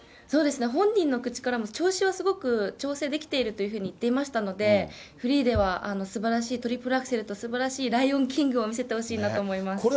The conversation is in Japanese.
そうですね、本人の口からも調子はすごく調整できているというふうに言っていましたので、フリーでは、すばらしいトリプルアクセルと、すばらしいライオンキングを見せてほしいなと思います。